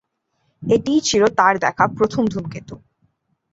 এটিই ছিল তার দেখা প্রথম ধূমকেতু।